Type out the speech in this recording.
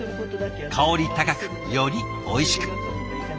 香り高くよりおいしく。